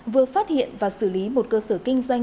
vừa phát hiện và xử lý một cơ sở kinh doanh